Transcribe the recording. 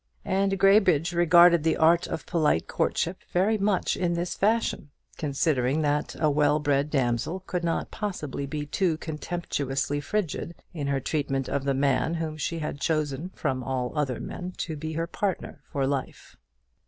And Graybridge regarded the art of polite courtship very much in this fashion, considering that a well bred damsel could not possibly be too contemptuously frigid in her treatment of the man whom she had chosen from all other men to be her partner for life.